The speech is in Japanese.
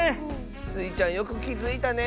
スイちゃんよくきづいたね！